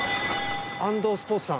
安藤スポーツさん。